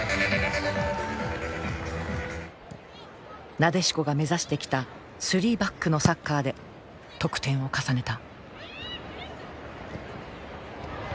なでしこが目指してきた３バックのサッカーで得点を重ねた。